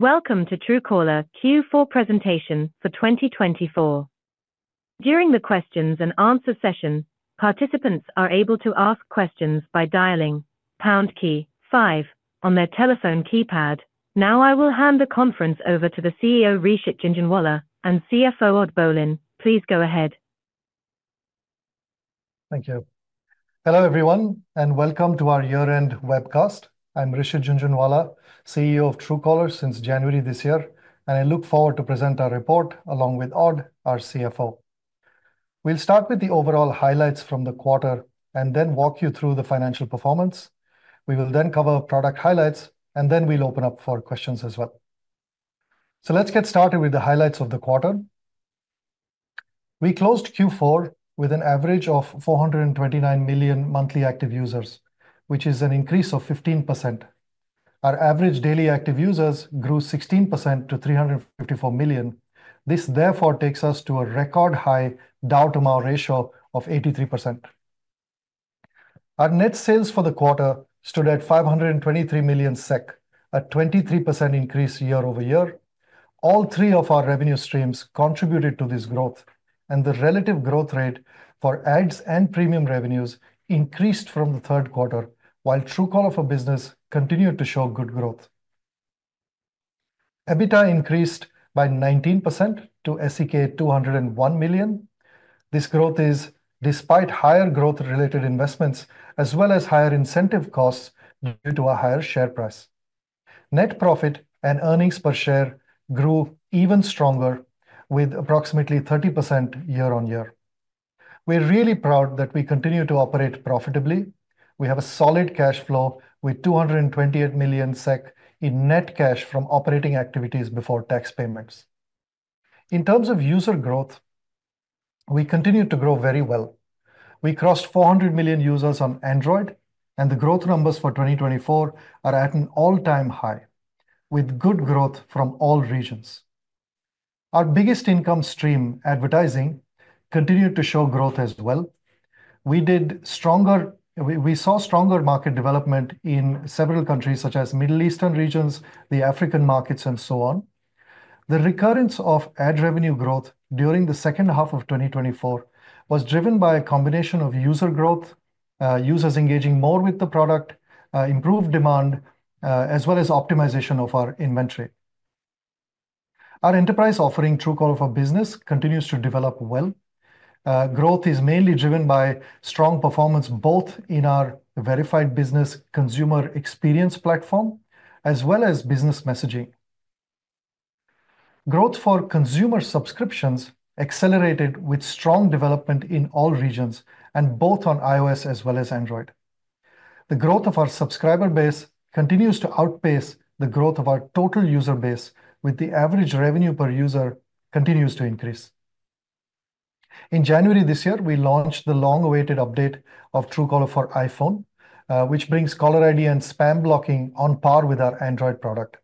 Welcome to Truecaller Q4 presentation for 2024. During the Q&A session, participants are able to ask questions by dialing pound key five on their telephone keypad. Now I will hand the conference over to the CEO, Rishit Jhunjhunwala, and CFO, Odd Bolin. Please go ahead. Thank you. Hello everyone, and welcome to our year-end webcast. I'm Rishit Jhunjhunwala, CEO of Truecaller since January this year, and I look forward to presenting our report along with Odd, our CFO. We'll start with the overall highlights from the quarter and then walk you through the financial performance. We will then cover product highlights, and then we'll open up for questions as well. So let's get started with the highlights of the quarter. We closed Q4 with an average of 429 million monthly active users, which is an increase of 15%. Our average daily active users grew 16% to 354 million. This therefore takes us to a record high DAU to MAU ratio of 83%. Our net sales for the quarter stood at 523 million SEK, a 23% increase year-over-year. All three of our revenue streams contributed to this growth, and the relative growth rate for ads and premium revenues increased from the third quarter, while Truecaller for Business continued to show good growth. EBITDA increased by 19% to SEK 201 million. This growth is despite higher growth-related investments as well as higher incentive costs due to a higher share price. Net profit and earnings per share grew even stronger, with approximately 30% year-on-year. We're really proud that we continue to operate profitably. We have a solid cash flow with 228 million SEK in net cash from operating activities before tax payments. In terms of user growth, we continue to grow very well. We crossed 400 million users on Android, and the growth numbers for 2024 are at an all-time high, with good growth from all regions. Our biggest income stream, advertising, continued to show growth as well. We saw stronger market development in several countries such as Middle Eastern regions, the African markets, and so on. The recurrence of ad revenue growth during the second half of 2024 was driven by a combination of user growth, users engaging more with the product, improved demand, as well as optimization of our inventory. Our enterprise offering, Truecaller for Business, continues to develop well. Growth is mainly driven by strong performance both in our Verified Business consumer experience platform as well as Business Messaging. Growth for consumer subscriptions accelerated with strong development in all regions, both on iOS as well as Android. The growth of our subscriber base continues to outpace the growth of our total user base, with the average revenue per user continuing to increase. In January this year, we launched the long-awaited update of Truecaller for iPhone, which brings caller ID and spam blocking on par with our Android product.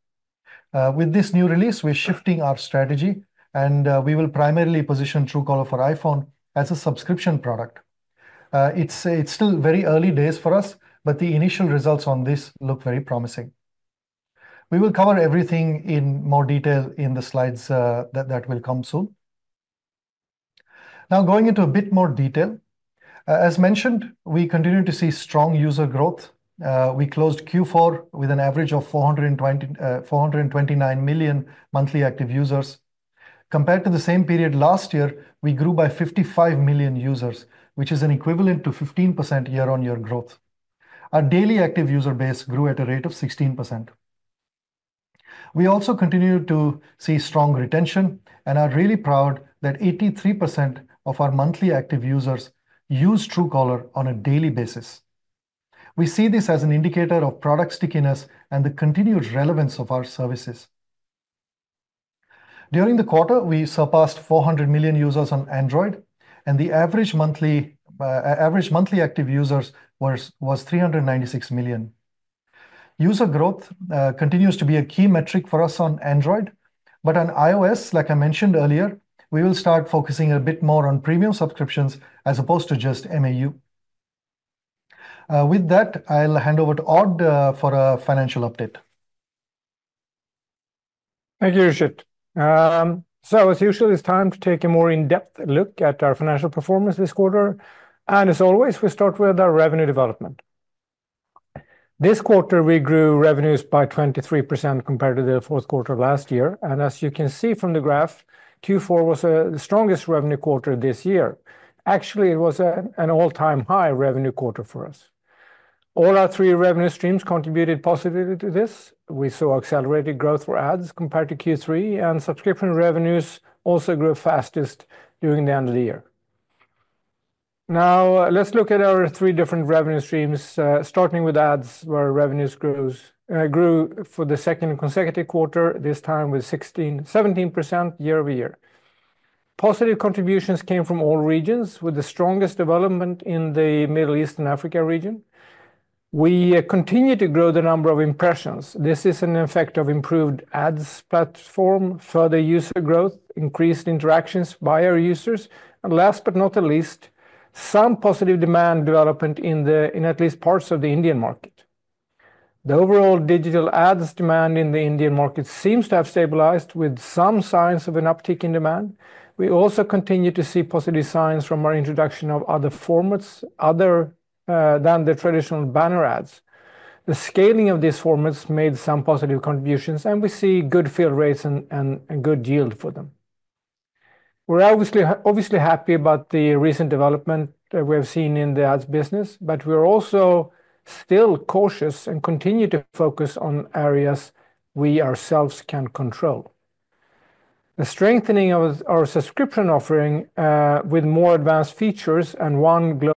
With this new release, we're shifting our strategy, and we will primarily position Truecaller for iPhone as a subscription product. It's still very early days for us, but the initial results on this look very promising. We will cover everything in more detail in the slides that will come soon. Now, going into a bit more detail, as mentioned, we continue to see strong user growth. We closed Q4 with an average of 429 million monthly active users. Compared to the same period last year, we grew by 55 million users, which is equivalent to 15% year-on-year growth. Our daily active user base grew at a rate of 16%. We also continue to see strong retention and are really proud that 83% of our monthly active users use Truecaller on a daily basis. We see this as an indicator of product stickiness and the continued relevance of our services. During the quarter, we surpassed 400 million users on Android, and the average monthly active users was 396 million. User growth continues to be a key metric for us on Android, but on iOS, like I mentioned earlier, we will start focusing a bit more on premium subscriptions as opposed to just MAU. With that, I'll hand over to Odd for a financial update. Thank you, Rishit. So, as usual, it's time to take a more in-depth look at our financial performance this quarter, and as always, we start with our revenue development. This quarter, we grew revenues by 23% compared to the fourth quarter of last year, and as you can see from the graph, Q4 was the strongest revenue quarter this year. Actually, it was an all-time high revenue quarter for us. All our three revenue streams contributed positively to this. We saw accelerated growth for ads compared to Q3, and subscription revenues also grew fastest during the end of the year. Now, let's look at our three different revenue streams, starting with ads, where revenues grew for the second consecutive quarter, this time with 16%-17% year-over-year. Positive contributions came from all regions, with the strongest development in the Middle East and Africa region. We continue to grow the number of impressions. This is an effect of improved ads platform, further user growth, increased interactions by our users, and last but not the least, some positive demand development in at least parts of the Indian market. The overall digital ads demand in the Indian market seems to have stabilized with some signs of an uptick in demand. We also continue to see positive signs from our introduction of other formats than the traditional banner ads. The scaling of these formats made some positive contributions, and we see good fill rates and good yield for them. We're obviously happy about the recent development we have seen in the ads business, but we're also still cautious and continue to focus on areas we ourselves can control. The strengthening of our subscription offering with more advanced features and one global...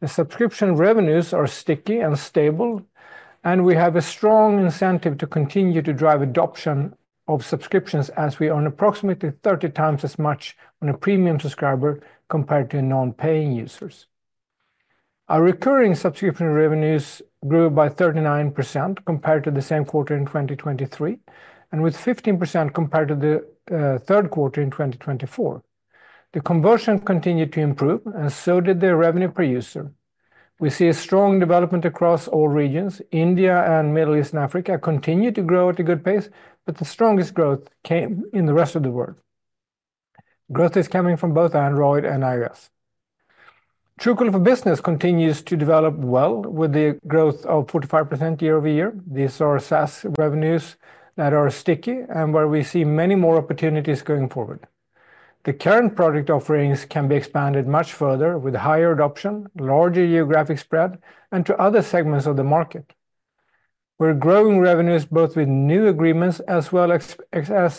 The subscription revenues are sticky and stable, and we have a strong incentive to continue to drive adoption of subscriptions as we earn approximately 30x as much on a premium subscriber compared to non-paying users. Our recurring subscription revenues grew by 39% compared to the same quarter in 2023, and with 15% compared to the third quarter in 2024. The conversion continued to improve, and so did the revenue per user. We see a strong development across all regions. India and Middle East and Africa continue to grow at a good pace, but the strongest growth came in the rest of the world. Growth is coming from both Android and iOS. Truecaller for Business continues to develop well with the growth of 45% year-over-year. These are SaaS revenues that are sticky and where we see many more opportunities going forward. The current product offerings can be expanded much further with higher adoption, larger geographic spread, and to other segments of the market. We're growing revenues both with new agreements as well as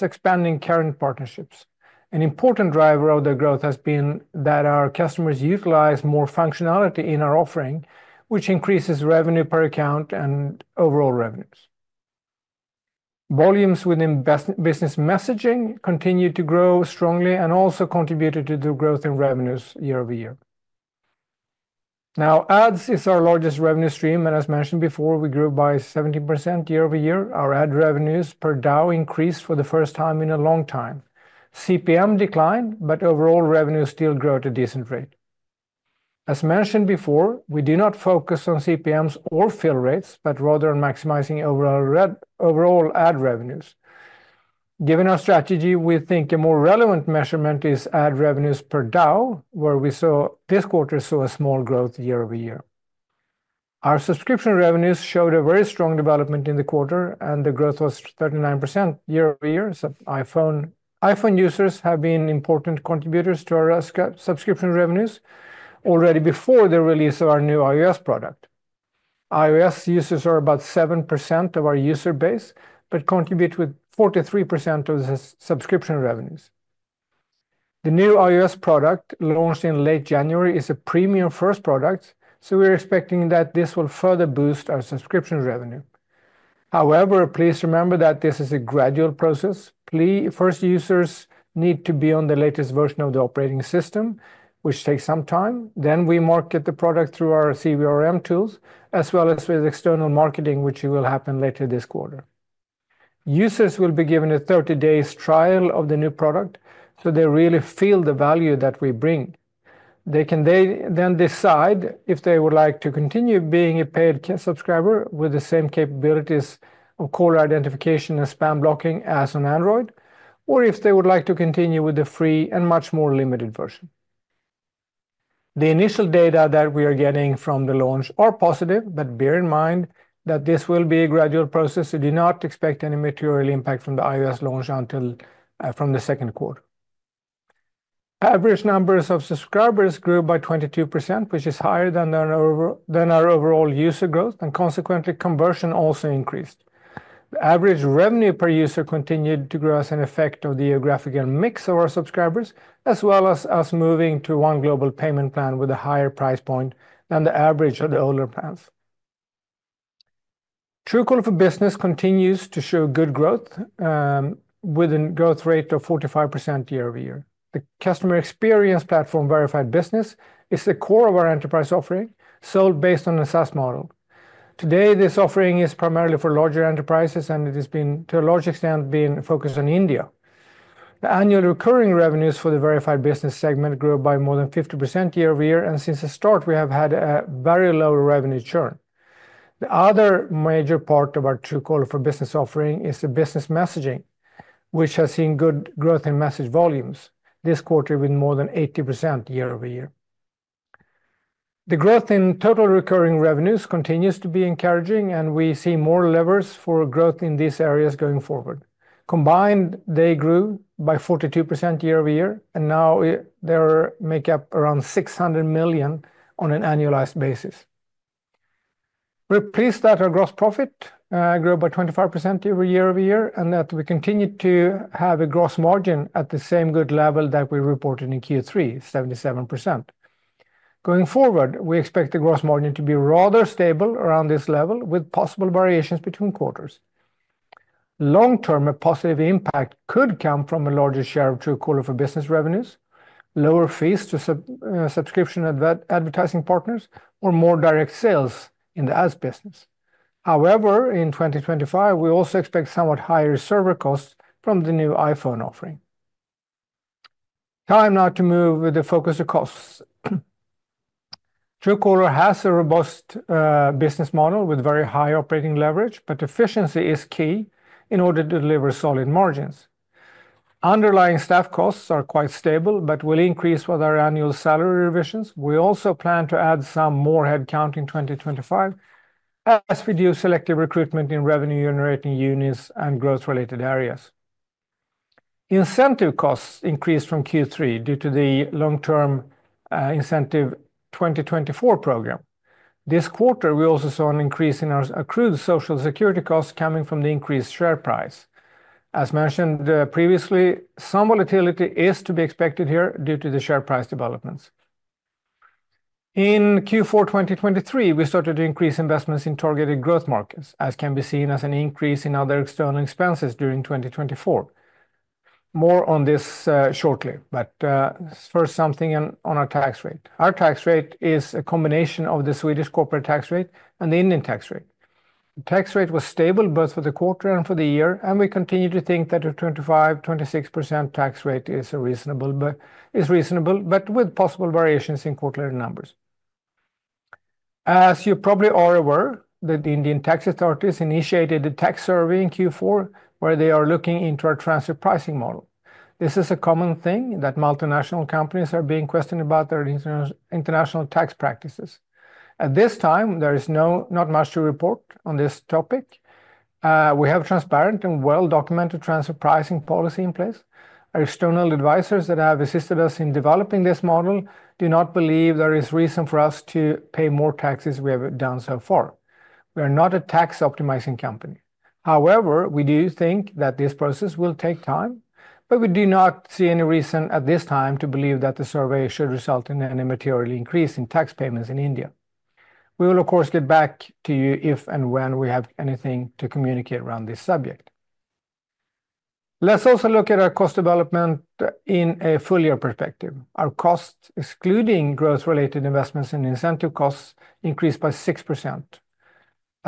expanding current partnerships. An important driver of the growth has been that our customers utilize more functionality in our offering, which increases revenue per account and overall revenues. Volumes within business messaging continue to grow strongly and also contributed to the growth in revenues year-over-year. Now, ads is our largest revenue stream, and as mentioned before, we grew by 17% year-over-year. Our ad revenues per DAU increased for the first time in a long time. CPM declined, but overall revenues still grew at a decent rate. As mentioned before, we do not focus on CPMs or fill rates, but rather on maximizing overall ad revenues. Given our strategy, we think a more relevant measurement is ad revenues per DAU, where we saw this quarter a small growth year-over-year. Our subscription revenues showed a very strong development in the quarter, and the growth was 39% year-over-year. iPhone users have been important contributors to our subscription revenues already before the release of our new iOS product. iOS users are about 7% of our user base but contribute with 43% of the subscription revenues. The new iOS product launched in late January is a premium-first product, so we're expecting that this will further boost our subscription revenue. However, please remember that this is a gradual process. First, users need to be on the latest version of the operating system, which takes some time. Then we market the product through our CVRM tools, as well as with external marketing, which will happen later this quarter. Users will be given a 30-day trial of the new product so they really feel the value that we bring. They can then decide if they would like to continue being a paid subscriber with the same capabilities of caller identification and spam blocking as on Android, or if they would like to continue with the free and much more limited version. The initial data that we are getting from the launch are positive, but bear in mind that this will be a gradual process. Do not expect any material impact from the iOS launch until the second quarter. Average numbers of subscribers grew by 22%, which is higher than our overall user growth, and consequently, conversion also increased. Average revenue per user continued to grow as an effect of the geographical mix of our subscribers, as well as us moving to one global payment plan with a higher price point than the average of the older plans. Truecaller for Business continues to show good growth with a growth rate of 45% year-over-year. The customer experience platform, Verified Business, is the core of our enterprise offering sold based on a SaaS model. Today, this offering is primarily for larger enterprises, and it has been, to a large extent, focused on India. The annual recurring revenues for the Verified Business segment grew by more than 50% year-over-year, and since the start, we have had a very low revenue churn. The other major part of our Truecaller for Business offering is the Business Messaging, which has seen good growth in message volumes this quarter with more than 80% year-over-year. The growth in total recurring revenues continues to be encouraging, and we see more levers for growth in these areas going forward. Combined, they grew by 42% year-over-year, and now they make up around 600 million on an annualized basis. We're pleased that our gross profit grew by 25% year-over-year and that we continue to have a gross margin at the same good level that we reported in Q3, 77%. Going forward, we expect the gross margin to be rather stable around this level with possible variations between quarters. Long-term, a positive impact could come from a larger share of Truecaller for Business revenues, lower fees to subscription advertising partners, or more direct sales in the ads business. However, in 2025, we also expect somewhat higher server costs from the new iPhone offering. Time now to move with the focus to costs. Truecaller has a robust business model with very high operating leverage, but efficiency is key in order to deliver solid margins. Underlying staff costs are quite stable but will increase with our annual salary revisions. We also plan to add some more headcount in 2025 as we do selective recruitment in revenue-generating units and growth-related areas. Incentive costs increased from Q3 due to the long-term incentive 2024 program. This quarter, we also saw an increase in our accrued social security costs coming from the increased share price. As mentioned previously, some volatility is to be expected here due to the share price developments. In Q4 2023, we started to increase investments in targeted growth markets, as can be seen as an increase in other external expenses during 2024. More on this shortly, but first, something on our tax rate. Our tax rate is a combination of the Swedish corporate tax rate and the Indian tax rate. The tax rate was stable both for the quarter and for the year, and we continue to think that a 25%-26% tax rate is reasonable, but with possible variations in quarterly numbers. As you probably are aware, the Indian tax authorities initiated a tax survey in Q4 where they are looking into our transfer pricing model. This is a common thing that multinational companies are being questioned about their international tax practices. At this time, there is not much to report on this topic. We have transparent and well-documented transfer pricing policy in place. Our external advisors that have assisted us in developing this model do not believe there is reason for us to pay more taxes we have done so far. We are not a tax-optimizing company. However, we do think that this process will take time, but we do not see any reason at this time to believe that the survey should result in any material increase in tax payments in India. We will, of course, get back to you if and when we have anything to communicate around this subject. Let's also look at our cost development in a full-year perspective. Our costs, excluding growth-related investments and incentive costs, increased by 6%.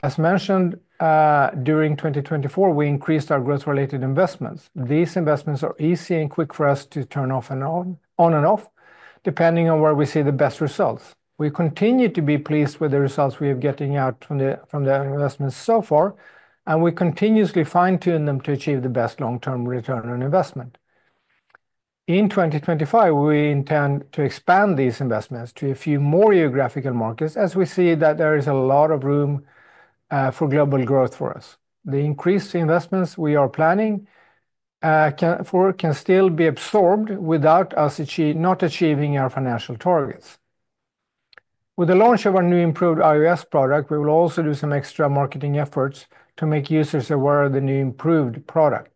As mentioned during 2024, we increased our growth-related investments. These investments are easy and quick for us to turn off and on and off, depending on where we see the best results. We continue to be pleased with the results we are getting out from the investments so far, and we continuously fine-tune them to achieve the best long-term return on investment. In 2025, we intend to expand these investments to a few more geographical markets as we see that there is a lot of room for global growth for us. The increased investments we are planning for can still be absorbed without us not achieving our financial targets. With the launch of our new improved iOS product, we will also do some extra marketing efforts to make users aware of the new improved product.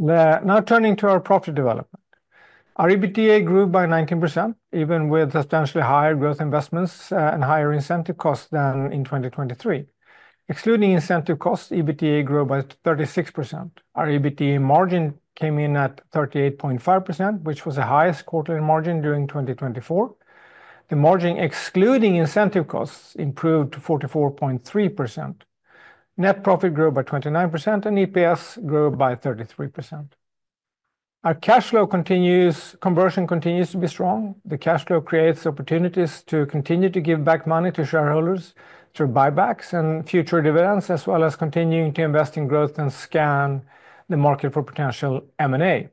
Now, turning to our profit development, our EBITDA grew by 19%, even with substantially higher growth investments and higher incentive costs than in 2023. Excluding incentive costs, EBITDA grew by 36%. Our EBITDA margin came in at 38.5%, which was the highest quarterly margin during 2024. The margin excluding incentive costs improved to 44.3%. Net profit grew by 29%, and EPS grew by 33%. Our cash flow continues. Conversion continues to be strong. The cash flow creates opportunities to continue to give back money to shareholders through buybacks and future dividends, as well as continuing to invest in growth and scan the market for potential M&A.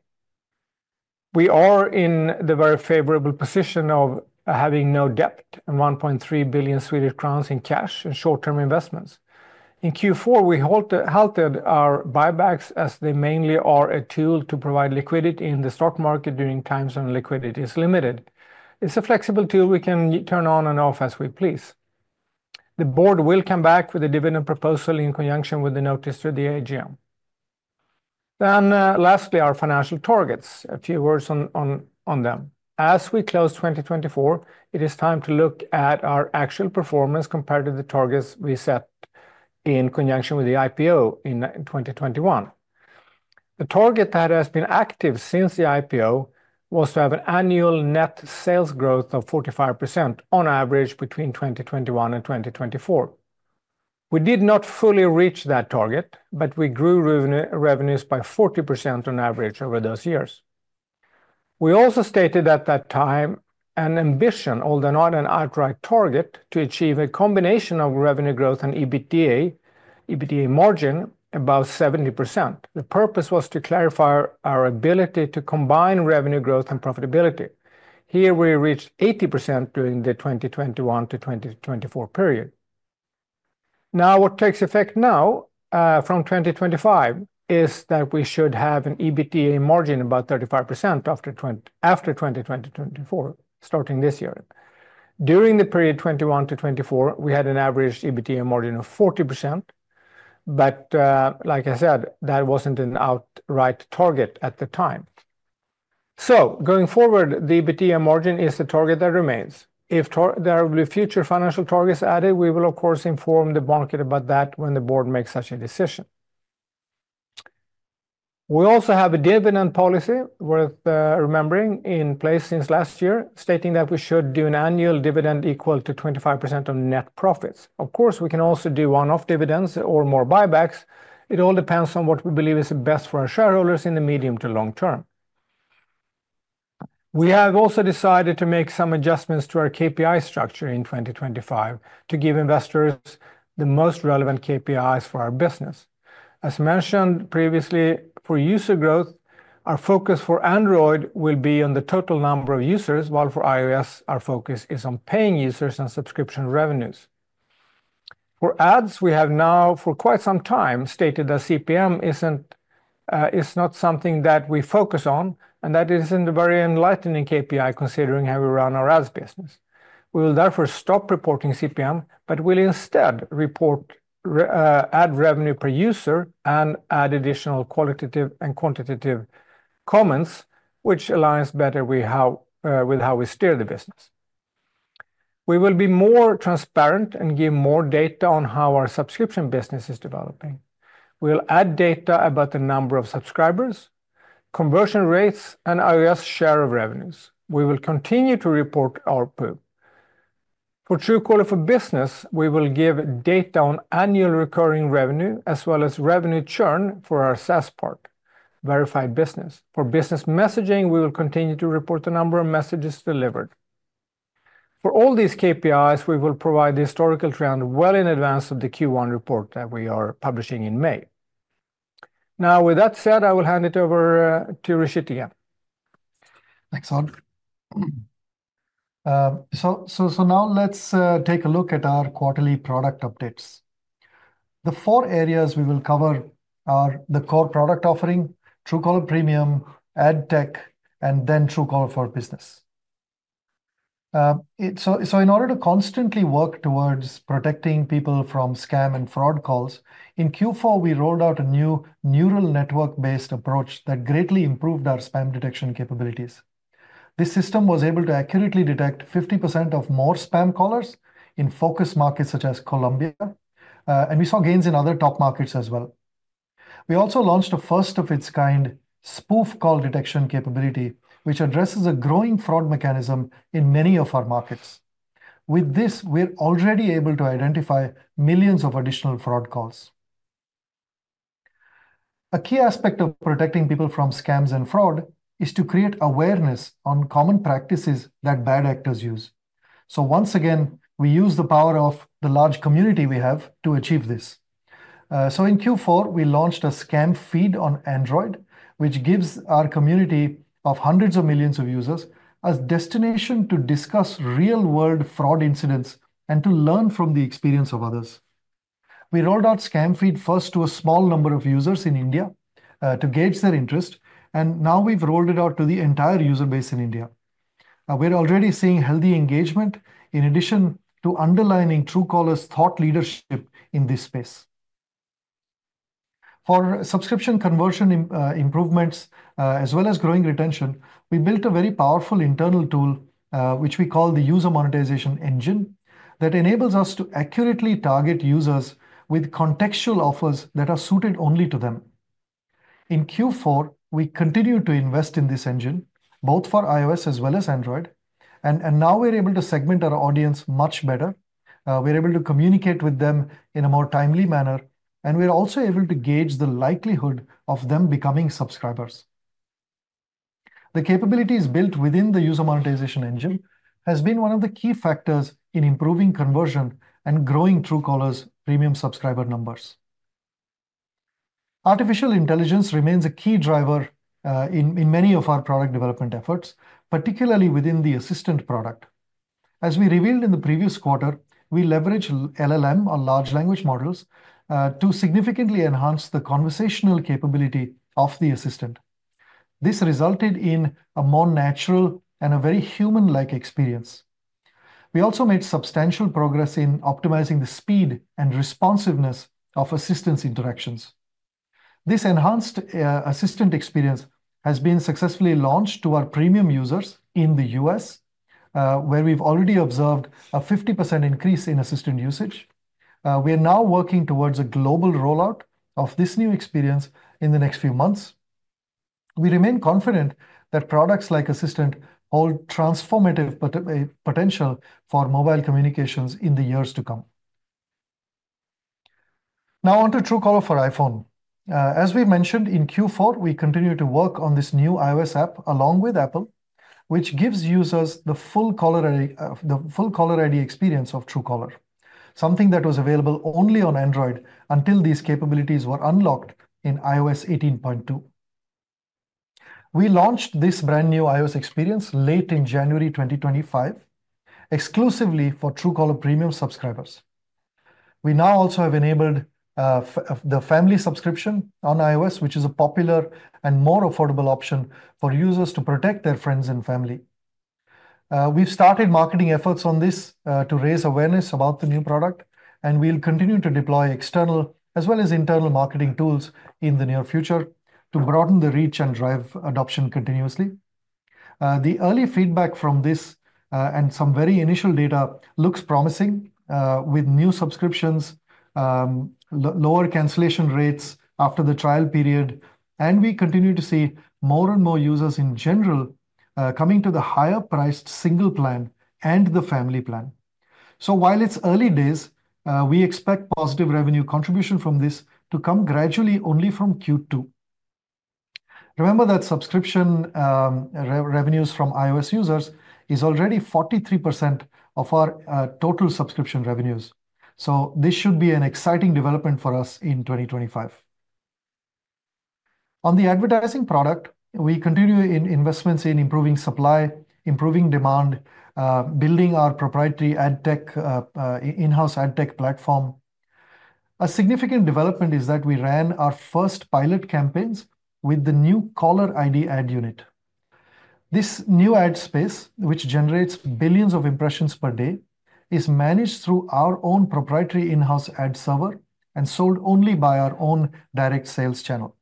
We are in the very favorable position of having no debt and 1.3 billion Swedish crowns in cash and short-term investments. In Q4, we halted our buybacks as they mainly are a tool to provide liquidity in the stock market during times when liquidity is limited. It's a flexible tool we can turn on and off as we please. The board will come back with a dividend proposal in conjunction with the notice to the AGM. Then lastly, our financial targets, a few words on them. As we close 2024, it is time to look at our actual performance compared to the targets we set in conjunction with the IPO in 2021. The target that has been active since the IPO was to have an annual net sales growth of 45% on average between 2021 and 2024. We did not fully reach that target, but we grew revenues by 40% on average over those years. We also stated at that time an ambition, although not an outright target, to achieve a combination of revenue growth and EBITDA margin above 70%. The purpose was to clarify our ability to combine revenue growth and profitability. Here, we reached 80% during the 2021-2024 period. Now, what takes effect now from 2025 is that we should have an EBITDA margin of about 35% after 2024, starting this year. During the period 2021 to 2024, we had an average EBITDA margin of 40%, but like I said, that wasn't an outright target at the time. So going forward, the EBITDA margin is the target that remains. If there will be future financial targets added, we will, of course, inform the market about that when the board makes such a decision. We also have a dividend policy worth remembering in place since last year, stating that we should do an annual dividend equal to 25% of net profits. Of course, we can also do one-off dividends or more buybacks. It all depends on what we believe is best for our shareholders in the medium to long term. We have also decided to make some adjustments to our KPI structure in 2025 to give investors the most relevant KPIs for our business. As mentioned previously, for user growth, our focus for Android will be on the total number of users, while for iOS, our focus is on paying users and subscription revenues. For ads, we have now, for quite some time, stated that CPM is not something that we focus on and that it isn't a very enlightening KPI considering how we run our ads business. We will therefore stop reporting CPM, but we'll instead report ad revenue per user and add additional qualitative and quantitative comments, which aligns better with how we steer the business. We will be more transparent and give more data on how our subscription business is developing. We'll add data about the number of subscribers, conversion rates, and iOS share of revenues. We will continue to report our ARPU. For Truecaller for Business, we will give data on annual recurring revenue as well as revenue churn for our SaaS part, Verified Business. For Business Messaging, we will continue to report the number of messages delivered. For all these KPIs, we will provide the historical trend well in advance of the Q1 report that we are publishing in May. Now, with that said, I will hand it over to Rishit again. Thanks, Odd. So now let's take a look at our quarterly product updates. The four areas we will cover are the core product offering, Truecaller Premium, Ad Tech, and then Truecaller for Business. So in order to constantly work towards protecting people from scam and fraud calls, in Q4, we rolled out a new neural network-based approach that greatly improved our spam detection capabilities. This system was able to accurately detect 50% of more spam callers in focus markets such as Colombia, and we saw gains in other top markets as well. We also launched a first-of-its-kind Spoof Call Detection capability, which addresses a growing fraud mechanism in many of our markets. With this, we're already able to identify millions of additional fraud calls. A key aspect of protecting people from scams and fraud is to create awareness on common practices that bad actors use. So once again, we use the power of the large community we have to achieve this. So in Q4, we launched a Scamfeed on Android, which gives our community of hundreds of millions of users a destination to discuss real-world fraud incidents and to learn from the experience of others. We rolled out Scamfeed first to a small number of users in India to gauge their interest, and now we've rolled it out to the entire user base in India. We're already seeing healthy engagement in addition to underlining Truecaller's thought leadership in this space. For subscription conversion improvements, as well as growing retention, we built a very powerful internal tool, which we call the User Monetization Engine, that enables us to accurately target users with contextual offers that are suited only to them. In Q4, we continue to invest in this engine, both for iOS as well as Android, and now we're able to segment our audience much better. We're able to communicate with them in a more timely manner, and we're also able to gauge the likelihood of them becoming subscribers. The capabilities built within the User Monetization Engine have been one of the key factors in improving conversion and growing Truecaller's premium subscriber numbers. Artificial intelligence remains a key driver in many of our product development efforts, particularly within the Assistant product. As we revealed in the previous quarter, we leveraged LLM, or large language models, to significantly enhance the conversational capability of the Assistant. This resulted in a more natural and a very human-like experience. We also made substantial progress in optimizing the speed and responsiveness of Assistant interactions. This enhanced Assistant experience has been successfully launched to our premium users in the U.S., where we've already observed a 50% increase in Assistant usage. We are now working towards a global rollout of this new experience in the next few months. We remain confident that products like Assistant hold transformative potential for mobile communications in the years to come. Now on to Truecaller for iPhone. As we mentioned in Q4, we continue to work on this new iOS app along with Apple, which gives users the full caller ID experience of Truecaller, something that was available only on Android until these capabilities were unlocked in iOS 18.2. We launched this brand new iOS experience late in January 2025, exclusively for Truecaller Premium subscribers. We now also have enabled the family subscription on iOS, which is a popular and more affordable option for users to protect their friends and family. We've started marketing efforts on this to raise awareness about the new product, and we'll continue to deploy external as well as internal marketing tools in the near future to broaden the reach and drive adoption continuously. The early feedback from this and some very initial data looks promising with new subscriptions, lower cancellation rates after the trial period, and we continue to see more and more users in general coming to the higher-priced single plan and the family plan. So while it's early days, we expect positive revenue contribution from this to come gradually only from Q2. Remember that subscription revenues from iOS users are already 43% of our total subscription revenues. So this should be an exciting development for us in 2025. On the advertising product, we continue investments in improving supply, improving demand, building our proprietary ad tech, in-house ad tech platform. A significant development is that we ran our first pilot campaigns with the new Caller ID ad unit. This new ad space, which generates billions of impressions per day, is managed through our own proprietary in-house ad server and sold only by our own direct sales channel.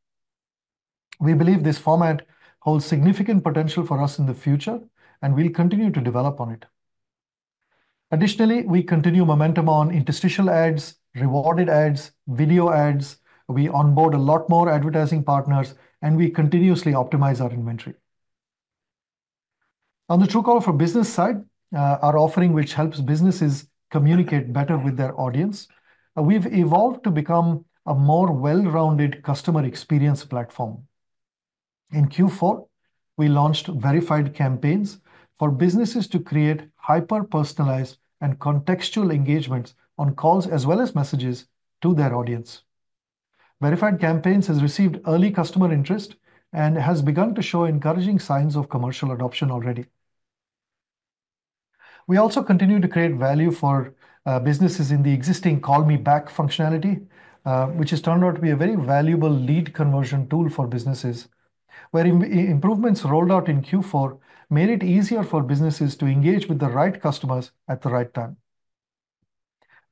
We believe this format holds significant potential for us in the future, and we'll continue to develop on it. Additionally, we continue momentum on interstitial ads, rewarded ads, video ads. We onboard a lot more advertising partners, and we continuously optimize our inventory. On the Truecaller for Business side, our offering, which helps businesses communicate better with their audience, we've evolved to become a more well-rounded customer experience platform. In Q4, we launched Verified Campaigns for businesses to create hyper-personalized and contextual engagements on calls as well as messages to their audience. Verified Campaigns has received early customer interest and has begun to show encouraging signs of commercial adoption already. We also continue to create value for businesses in the existing Call Me Back functionality, which has turned out to be a very valuable lead conversion tool for businesses, where improvements rolled out in Q4 made it easier for businesses to engage with the right customers at the right time.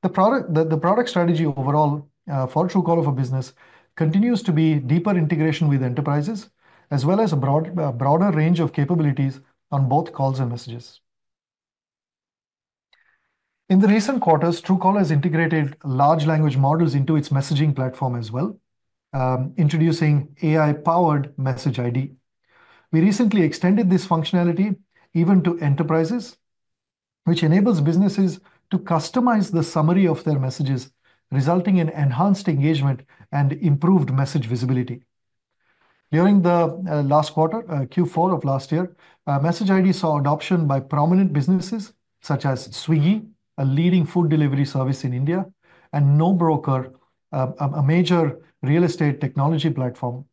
The product strategy overall for Truecaller for Business continues to be deeper integration with enterprises, as well as a broader range of capabilities on both calls and messages. In the recent quarters, Truecaller has integrated large language models into its messaging platform as well, introducing AI-powered Message ID. We recently extended this functionality even to enterprises, which enables businesses to customize the summary of their messages, resulting in enhanced engagement and improved message visibility. During the last quarter, Q4 of last year, Message ID saw adoption by prominent businesses such as Swiggy, a leading food delivery service in India, and NoBroker, a major real estate technology platform,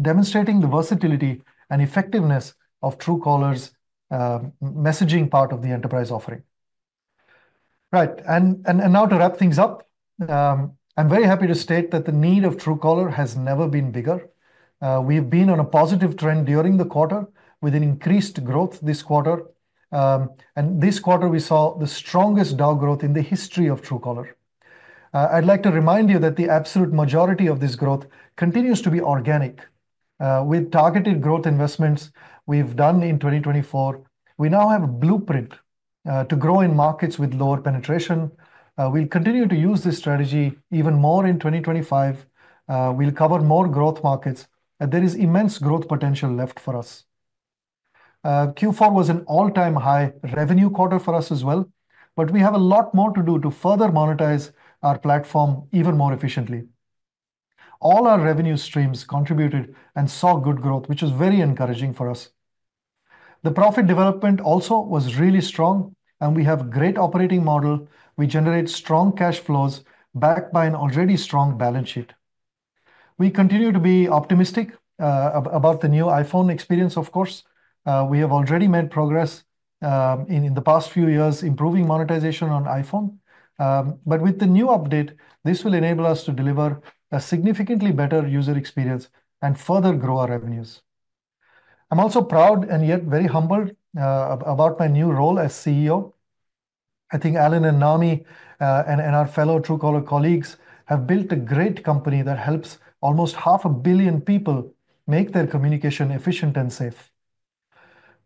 demonstrating the versatility and effectiveness of Truecaller's messaging part of the enterprise offering. Right, and now to wrap things up, I'm very happy to state that the need for Truecaller has never been bigger. We've been on a positive trend during the quarter with an increased growth this quarter, and this quarter, we saw the strongest DAU growth in the history of Truecaller. I'd like to remind you that the absolute majority of this growth continues to be organic. With targeted growth investments we've done in 2024, we now have a blueprint to grow in markets with lower penetration. We'll continue to use this strategy even more in 2025. We'll cover more growth markets, and there is immense growth potential left for us. Q4 was an all-time high revenue quarter for us as well, but we have a lot more to do to further monetize our platform even more efficiently. All our revenue streams contributed and saw good growth, which was very encouraging for us. The profit development also was really strong, and we have a great operating model. We generate strong cash flows backed by an already strong balance sheet. We continue to be optimistic about the new iPhone experience, of course. We have already made progress in the past few years improving monetization on iPhone, but with the new update, this will enable us to deliver a significantly better user experience and further grow our revenues. I'm also proud and yet very humbled about my new role as CEO. I think Alan and Nami and our fellow Truecaller colleagues have built a great company that helps almost half a billion people make their communication efficient and safe.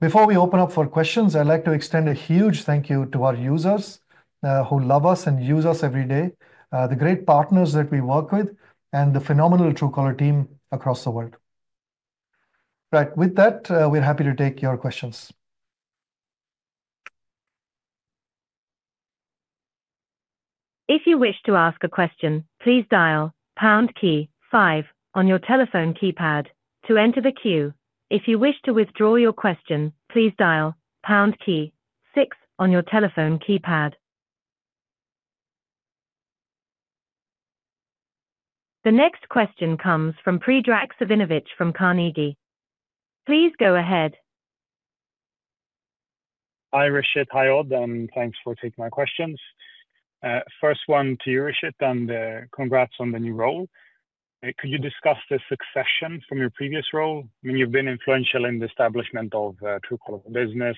Before we open up for questions, I'd like to extend a huge thank you to our users who love us and use us every day, the great partners that we work with, and the phenomenal Truecaller team across the world. Right, with that, we're happy to take your questions. If you wish to ask a question, please dial pound key five on your telephone keypad to enter the queue. If you wish to withdraw your question, please dial pound key six on your telephone keypad. The next question comes from Predrag Savinovic from Carnegie. Please go ahead. Hi, Rishit. Hi, Odd, and thanks for taking my questions. First one to you, Rishit, and congrats on the new role. Could you discuss the succession from your previous role? I mean, you've been influential in the establishment of Truecaller for Business,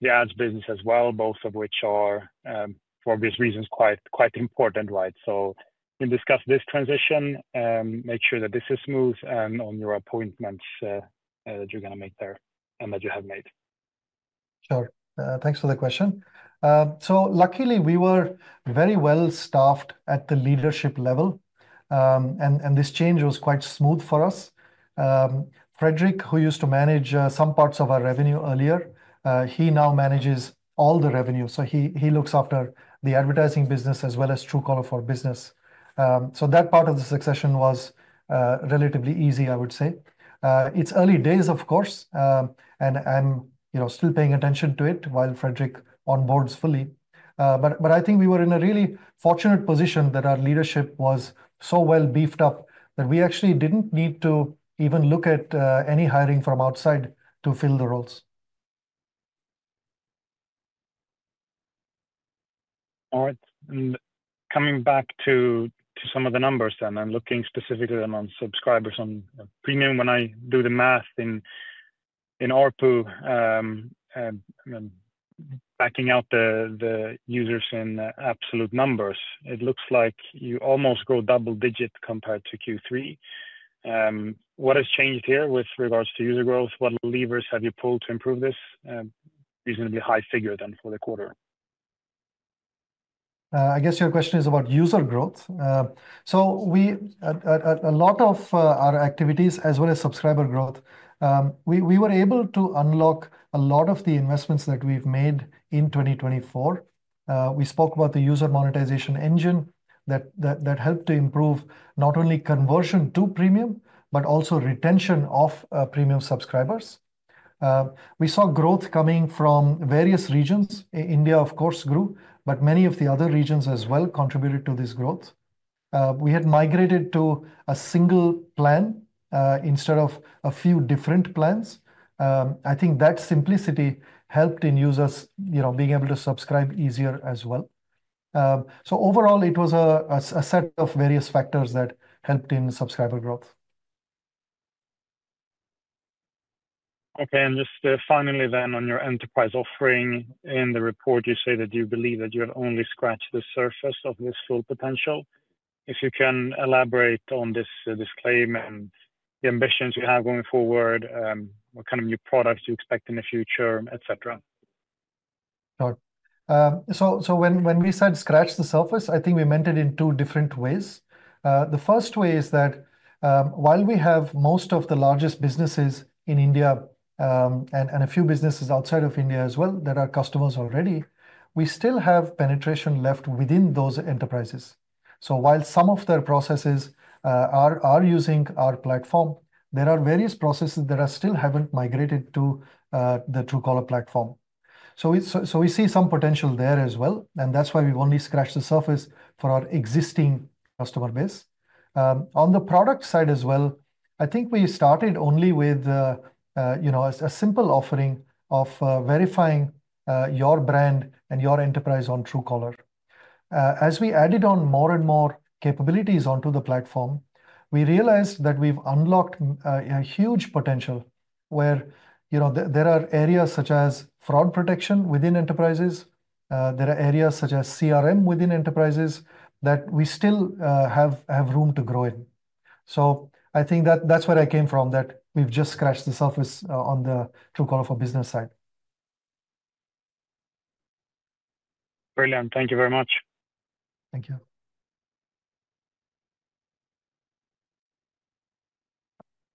the ads business as well, both of which are, for obvious reasons, quite important, right? So you can discuss this transition, make sure that this is smooth, and on your appointments that you're going to make there and that you have made. Sure. Thanks for the question. So luckily, we were very well staffed at the leadership level, and this change was quite smooth for us. Fredrik, who used to manage some parts of our revenue earlier, he now manages all the revenue. So he looks after the advertising business as well as Truecaller for Business. So that part of the succession was relatively easy, I would say. It's early days, of course, and I'm still paying attention to it while Fredrik onboards fully. But I think we were in a really fortunate position that our leadership was so well beefed up that we actually didn't need to even look at any hiring from outside to fill the roles. All right. Coming back to some of the numbers then and looking specifically on subscribers on premium, when I do the math in ARPU, backing out the users in absolute numbers, it looks like you almost go double digit compared to Q3. What has changed here with regards to user growth? What levers have you pulled to improve this reasonably high figure then for the quarter? I guess your question is about user growth. So a lot of our activities, as well as subscriber growth, we were able to unlock a lot of the investments that we've made in 2024. We spoke about the user monetization engine that helped to improve not only conversion to premium, but also retention of premium subscribers. We saw growth coming from various regions. India, of course, grew, but many of the other regions as well contributed to this growth. We had migrated to a single plan instead of a few different plans. I think that simplicity helped in users being able to subscribe easier as well. So overall, it was a set of various factors that helped in subscriber growth. Okay. And just finally then, on your enterprise offering in the report, you say that you believe that you have only scratched the surface of this full potential. If you can elaborate on this disclaimer and the ambitions you have going forward, what kind of new products you expect in the future, etc.? Sure. So when we said scratch the surface, I think we meant it in two different ways. The first way is that while we have most of the largest businesses in India and a few businesses outside of India as well that are customers already, we still have penetration left within those enterprises. So while some of their processes are using our platform, there are various processes that still haven't migrated to the Truecaller platform. So we see some potential there as well. And that's why we've only scratched the surface for our existing customer base. On the product side as well, I think we started only with a simple offering of verifying your brand and your enterprise on Truecaller. As we added on more and more capabilities onto the platform, we realized that we've unlocked a huge potential where there are areas such as fraud protection within enterprises. There are areas such as CRM within enterprises that we still have room to grow in. So I think that's where I came from, that we've just scratched the surface on the Truecaller for Business side. Brilliant. Thank you very much. Thank you.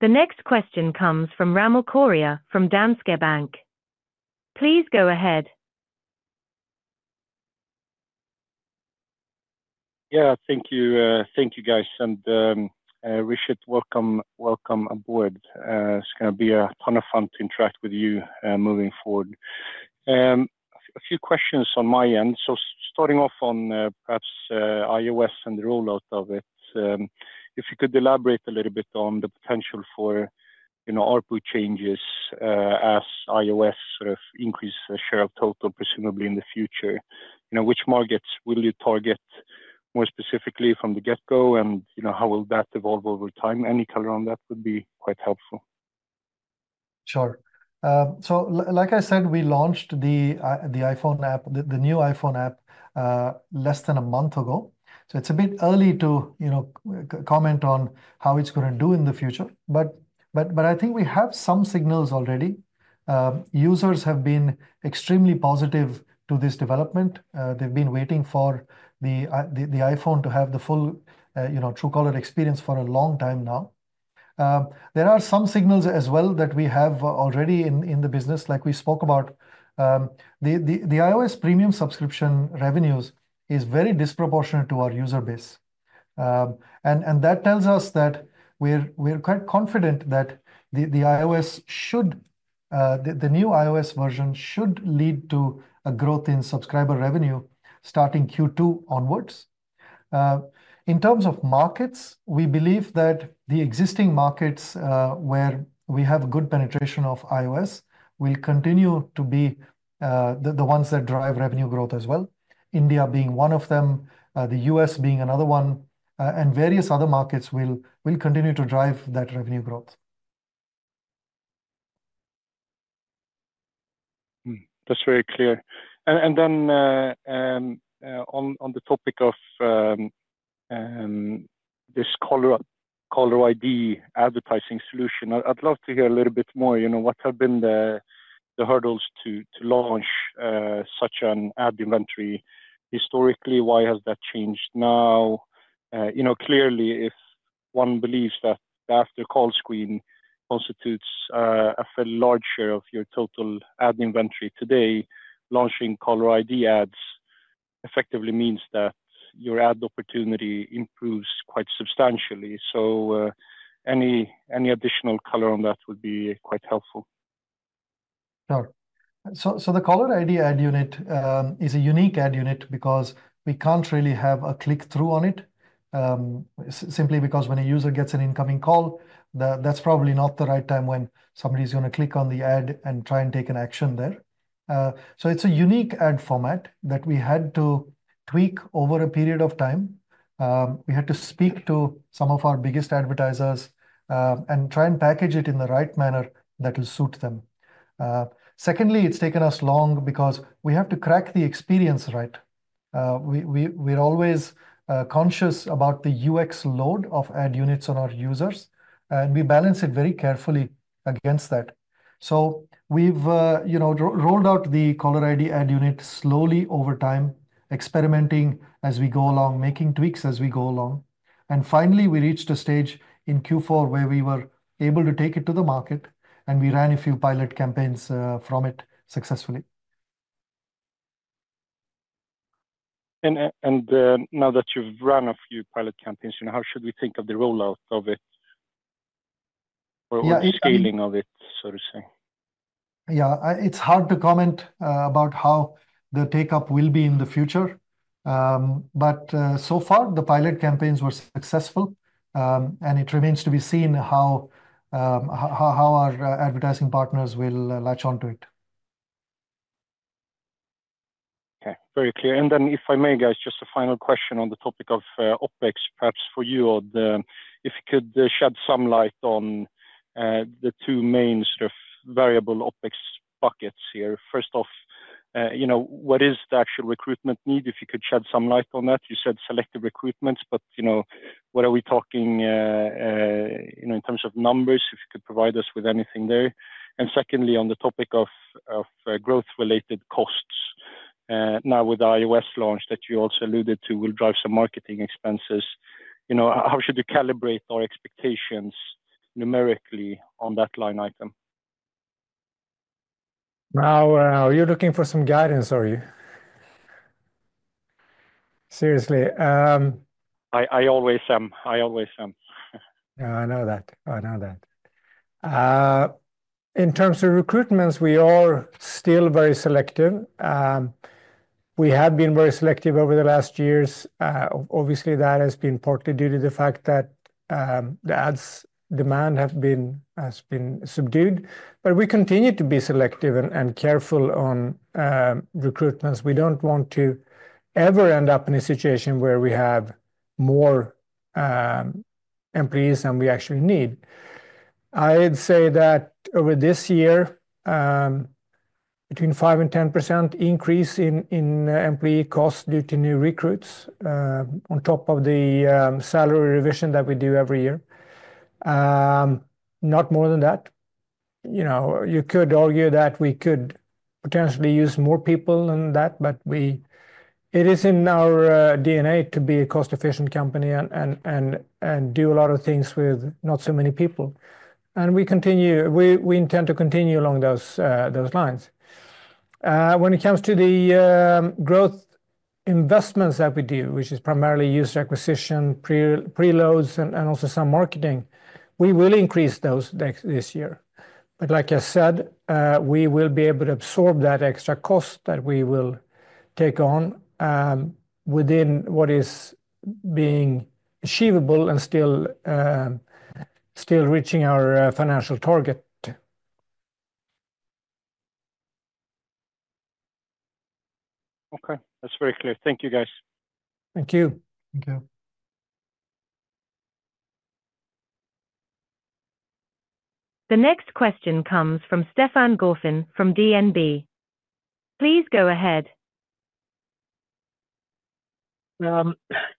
The next question comes from Ramil Koria from Danske Bank. Please go ahead. Yeah, thank you. Thank you, guys. And Rishit, welcome aboard. It's going to be a ton of fun to interact with you moving forward. A few questions on my end. So starting off on perhaps iOS and the rollout of it, if you could elaborate a little bit on the potential for ARPU changes as iOS sort of increases the share of total, presumably in the future. Which markets will you target more specifically from the get-go, and how will that evolve over time? Any color on that would be quite helpful. Sure. So like I said, we launched the iPhone app, the new iPhone app, less than a month ago. So it's a bit early to comment on how it's going to do in the future. But I think we have some signals already. Users have been extremely positive to this development. They've been waiting for the iPhone to have the full Truecaller experience for a long time now. There are some signals as well that we have already in the business. Like we spoke about, the iOS premium subscription revenues is very disproportionate to our user base. And that tells us that we're quite confident that the new iOS version should lead to a growth in subscriber revenue starting Q2 onwards. In terms of markets, we believe that the existing markets where we have good penetration of iOS will continue to be the ones that drive revenue growth as well. India being one of them, the U.S. being another one, and various other markets will continue to drive that revenue growth. That's very clear. And then on the topic of this Caller ID advertising solution, I'd love to hear a little bit more. What have been the hurdles to launch such an ad inventory historically? Why has that changed now? Clearly, if one believes that the after-call screen constitutes a large share of your total ad inventory today, launching Caller ID ads effectively means that your ad opportunity improves quite substantially. So any additional color on that would be quite helpful. Sure. So the Caller ID ad unit is a unique ad unit because we can't really have a click-through on it, simply because when a user gets an incoming call, that's probably not the right time when somebody's going to click on the ad and try and take an action there. So it's a unique ad format that we had to tweak over a period of time. We had to speak to some of our biggest advertisers and try and package it in the right manner that will suit them. Secondly, it's taken us long because we have to crack the experience right. We're always conscious about the UX load of ad units on our users, and we balance it very carefully against that. So we've rolled out the Caller ID ad unit slowly over time, experimenting as we go along, making tweaks as we go along. Finally, we reached a stage in Q4 where we were able to take it to the market, and we ran a few pilot campaigns from it successfully. And now that you've run a few pilot campaigns, how should we think of the rollout of it or scaling of it, so to say? Yeah, it's hard to comment about how the take-up will be in the future. But so far, the pilot campaigns were successful, and it remains to be seen how our advertising partners will latch onto it. Okay. Very clear. And then if I may, guys, just a final question on the topic of OpEx, perhaps for you, Odd, if you could shed some light on the two main sort of variable OpEx buckets here. First off, what is the actual recruitment need? If you could shed some light on that. You said selective recruitments, but what are we talking in terms of numbers? If you could provide us with anything there. And secondly, on the topic of growth-related costs, now with the iOS launch that you also alluded to will drive some marketing expenses, how should we calibrate our expectations numerically on that line item? Wow, you're looking for some guidance, are you? Seriously. I always am. I always am. I know that. I know that. In terms of recruitments, we are still very selective. We have been very selective over the last years. Obviously, that has been partly due to the fact that the ads demand has been subdued. But we continue to be selective and careful on recruitments. We don't want to ever end up in a situation where we have more employees than we actually need. I'd say that over this year, between 5% and 10% increase in employee costs due to new recruits on top of the salary revision that we do every year. Not more than that. You could argue that we could potentially use more people than that, but it is in our DNA to be a cost-efficient company and do a lot of things with not so many people. And we intend to continue along those lines. When it comes to the growth investments that we do, which is primarily user acquisition, preloads, and also some marketing, we will increase those this year. But like I said, we will be able to absorb that extra cost that we will take on within what is being achievable and still reaching our financial target. Okay. That's very clear. Thank you, guys. Thank you. Thank you. The next question comes from Stefan Gauffin from DNB. Please go ahead.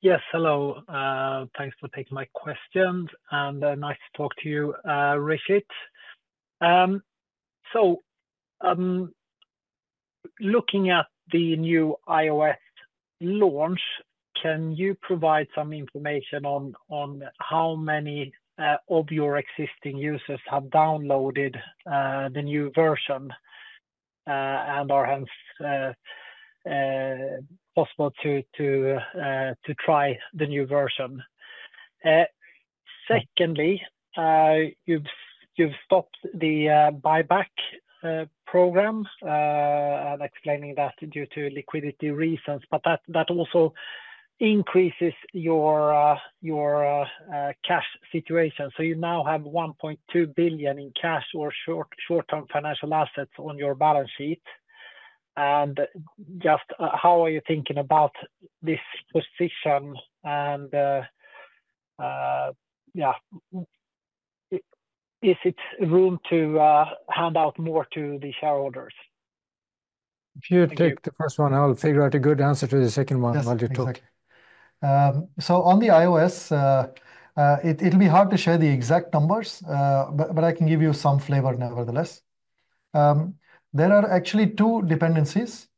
Yes. Hello. Thanks for taking my questions and nice to talk to you, Rishit. So looking at the new iOS launch, can you provide some information on how many of your existing users have downloaded the new version and are hence possible to try the new version? Secondly, you've stopped the buyback program and explaining that due to liquidity reasons, but that also increases your cash situation. So you now have 1.2 billion in cash or short-term financial assets on your balance sheet. And just how are you thinking about this position? And yeah, is it room to hand out more to the shareholders? If you take the first one, I'll figure out a good answer to the second one while you talk. So on the iOS, it'll be hard to share the exact numbers, but I can give you some flavor nevertheless. There are actually two dependencies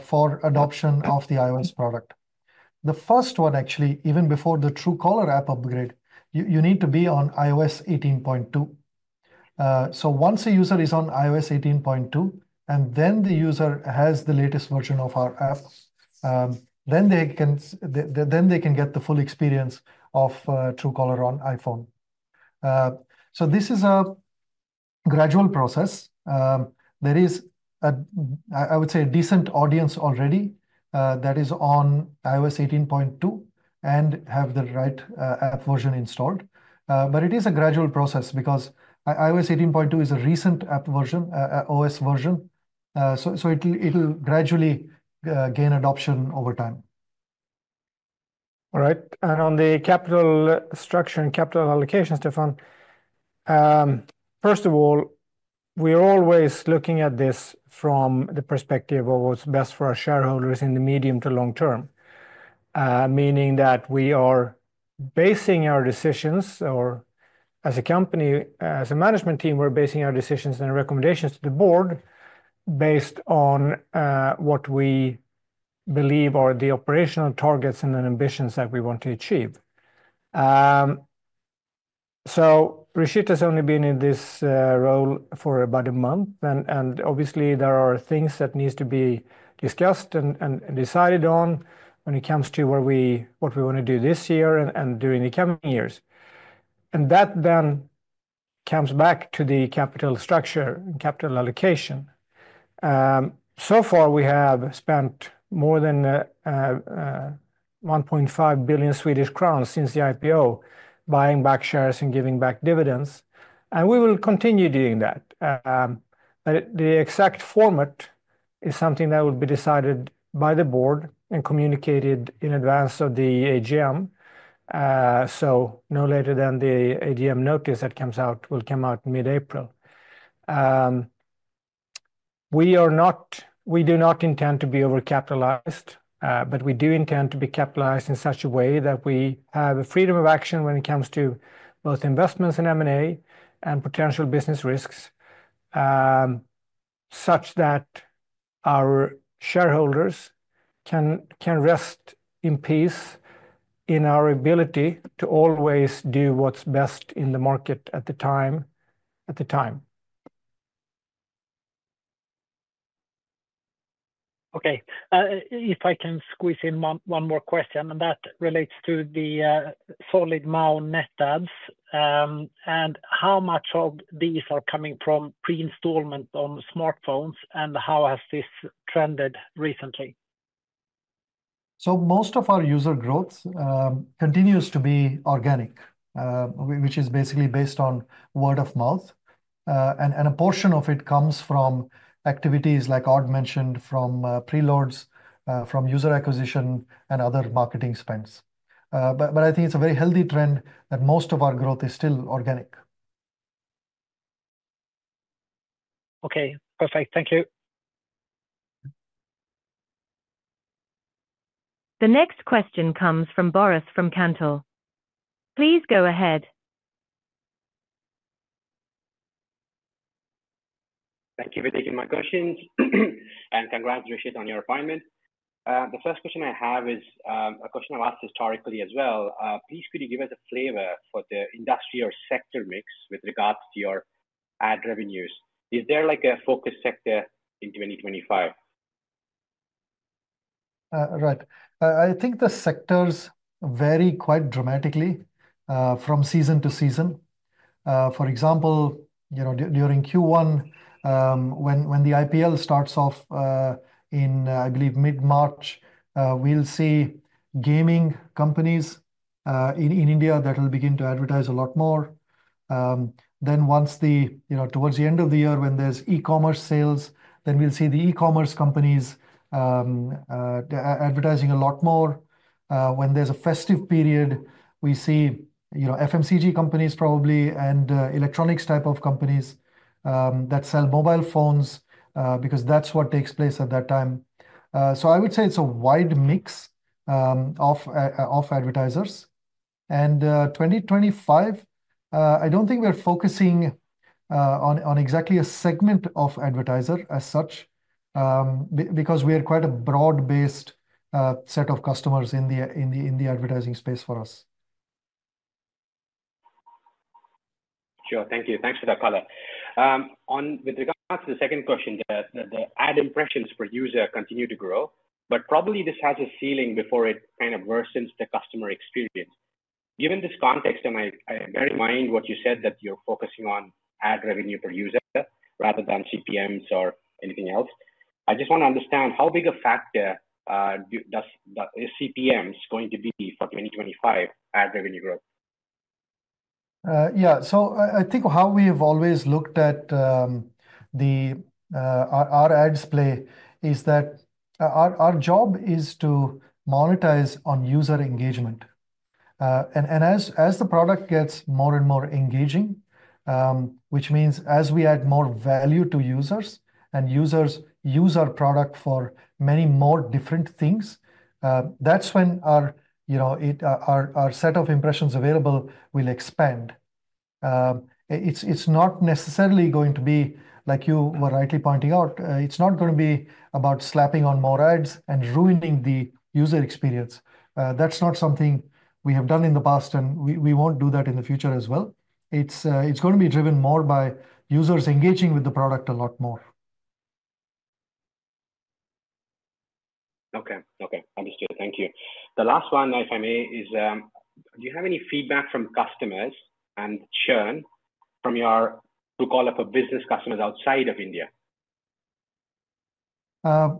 for adoption of the iOS product. The first one, actually, even before the Truecaller app upgrade, you need to be on iOS 18.2. So once a user is on iOS 18.2 and then the user has the latest version of our app, then they can get the full experience of Truecaller on iPhone. So this is a gradual process. There is, I would say, a decent audience already that is on iOS 18.2 and have the right app version installed. But it is a gradual process because iOS 18.2 is a recent OS version. So it'll gradually gain adoption over time. All right. And on the capital structure and capital allocation, Stefan, first of all, we are always looking at this from the perspective of what's best for our shareholders in the medium to long term, meaning that we are basing our decisions or as a company, as a management team, we're basing our decisions and recommendations to the board based on what we believe are the operational targets and the ambitions that we want to achieve. So Rishit has only been in this role for about a month. And that then comes back to the capital structure and capital allocation. So far, we have spent more than 1.5 billion Swedish crowns since the IPO, buying back shares and giving back dividends. And we will continue doing that. But the exact format is something that will be decided by the board and communicated in advance of the AGM. So no later than the AGM notice that comes out will come out mid-April. We do not intend to be over-capitalized, but we do intend to be capitalized in such a way that we have a freedom of action when it comes to both investments in M&A and potential business risks such that our shareholders can rest in peace in our ability to always do what's best in the market at the time. Okay. If I can squeeze in one more question, and that relates to the solid MAU net adds. And how much of these are coming from pre-installs on smartphones, and how has this trended recently? Most of our user growth continues to be organic, which is basically based on word of mouth. And a portion of it comes from activities like Odd mentioned from preloads, from user acquisition, and other marketing spends. But I think it's a very healthy trend that most of our growth is still organic. Okay. Perfect. Thank you. The next question comes from Boris from Cantor. Please go ahead. Thank you for taking my questions. And congrats, Rishit, on your appointment. The first question I have is a question I've asked historically as well. Please could you give us a flavor for the industry or sector mix with regards to your ad revenues? Is there a focus sector in 2025? Right. I think the sectors vary quite dramatically from season to season. For example, during Q1, when the IPL starts off in, I believe, mid-March, we'll see gaming companies in India that will begin to advertise a lot more. Then once towards the end of the year when there's e-commerce sales, then we'll see the e-commerce companies advertising a lot more. When there's a festive period, we see FMCG companies probably and electronics type of companies that sell mobile phones because that's what takes place at that time. So I would say it's a wide mix of advertisers, and 2025, I don't think we're focusing on exactly a segment of advertiser as such because we are quite a broad-based set of customers in the advertising space for us. Sure. Thank you. Thanks for that color. With regards to the second question, the ad impressions per user continue to grow, but probably this has a ceiling before it kind of worsens the customer experience. Given this context, and I bear in mind what you said that you're focusing on ad revenue per user rather than CPMs or anything else, I just want to understand how big a factor is CPMs going to be for 2025 ad revenue growth? Yeah. So I think how we have always looked at our ads play is that our job is to monetize on user engagement. And as the product gets more and more engaging, which means as we add more value to users and users use our product for many more different things, that's when our set of impressions available will expand. It's not necessarily going to be, like you were rightly pointing out, it's not going to be about slapping on more ads and ruining the user experience. That's not something we have done in the past, and we won't do that in the future as well. It's going to be driven more by users engaging with the product a lot more. Okay. Okay. Understood. Thank you. The last one, if I may, is do you have any feedback from customers and churn from your Truecaller for Business customers outside of India?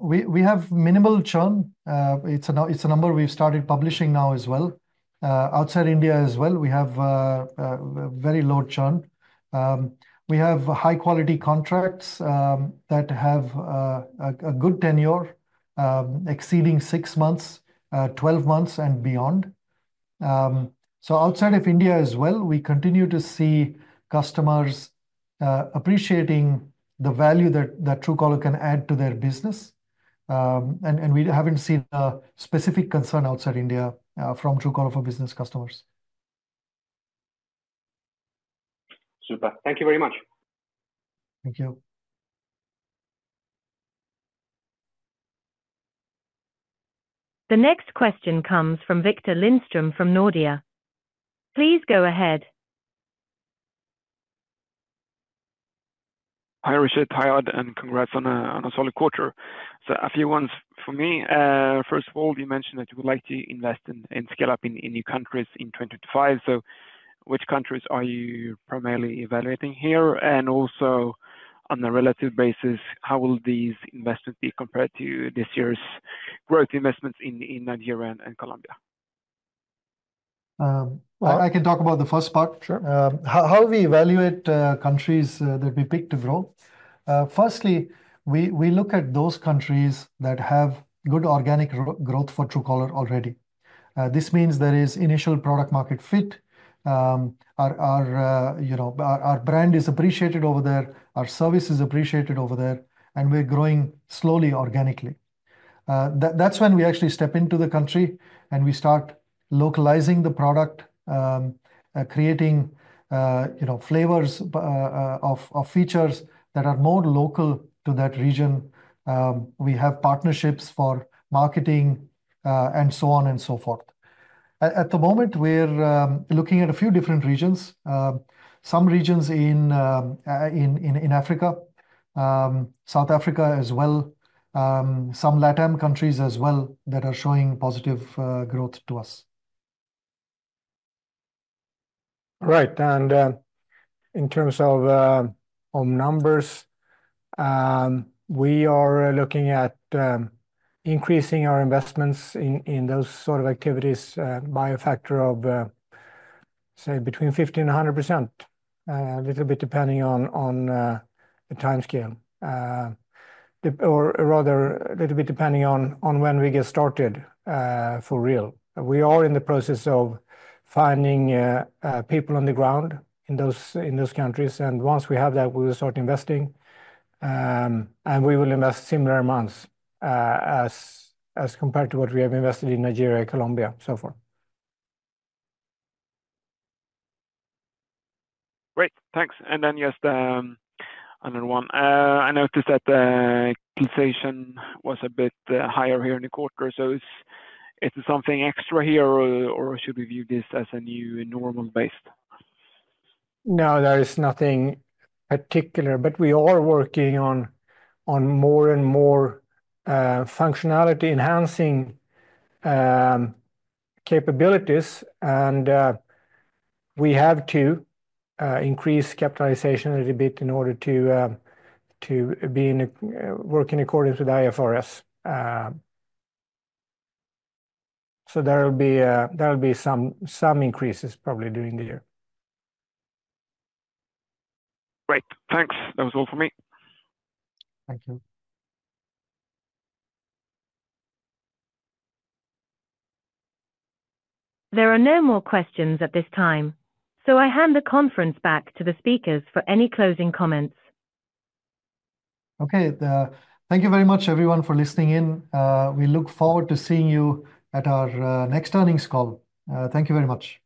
We have minimal churn. It's a number we've started publishing now as well. Outside India as well, we have very low churn. We have high-quality contracts that have a good tenure exceeding six months, 12 months, and beyond. So outside of India as well, we continue to see customers appreciating the value that Truecaller can add to their business. And we haven't seen a specific concern outside India from Truecaller for Business customers. Super. Thank you very much. Thank you. The next question comes from Viktor Lindström from Nordea. Please go ahead. Hi, Rishit. Hi, Odd. And congrats on a solid quarter. So a few ones for me. First of all, you mentioned that you would like to invest and scale up in new countries in 2025. So which countries are you primarily evaluating here? And also on a relative basis, how will these investments be compared to this year's growth investments in Nigeria and Colombia? I can talk about the first part. Sure. How we evaluate countries that we pick to grow? Firstly, we look at those countries that have good organic growth for Truecaller already. This means there is initial product-market fit, our brand is appreciated over there, our service is appreciated over there, and we're growing slowly organically. That's when we actually step into the country and we start localizing the product, creating flavors of features that are more local to that region. We have partnerships for marketing and so on and so forth. At the moment, we're looking at a few different regions, some regions in Africa, South Africa as well, some LATAM countries as well that are showing positive growth to us. Right, and in terms of numbers, we are looking at increasing our investments in those sort of activities by a factor of, say, between 50% and 100%, a little bit depending on the timescale, or rather a little bit depending on when we get started for real. We are in the process of finding people on the ground in those countries. And once we have that, we will start investing. And we will invest similar amounts as compared to what we have invested in Nigeria, Colombia, and so forth. Great. Thanks. And then just another one. I noticed that the compensation was a bit higher here in the quarter. So is it something extra here, or should we view this as a new normal base? No, there is nothing particular, but we are working on more and more functionality-enhancing capabilities. And we have to increase capitalization a little bit in order to be working according to the IFRS. So there will be some increases probably during the year. Great. Thanks. That was all for me. Thank you. There are no more questions at this time. So I hand the conference back to the speakers for any closing comments. Okay. Thank you very much, everyone, for listening in. We look forward to seeing you at our next earnings call. Thank you very much.